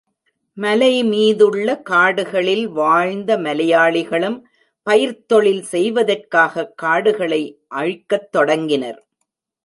மலைமீதுள்ள காடுகளில் வாழ்ந்த மலையாளிகளும் பயிர்த்தொழில் செய்வதற்காகக் காடுகளை அழிக்கத் தொடங்கினர்.